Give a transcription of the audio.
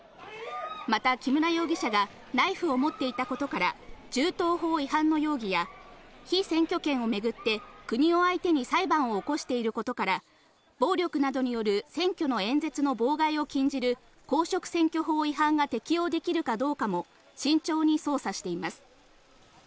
また木村容疑者がナイフを持っていたことから、銃刀法違反の容疑や被選挙権をめぐって国を相手に裁判を起こしていることから、暴力等による選挙の演説の妨害を禁じる公職選挙法違反が適用できるかどうかも慎重に捜査しています。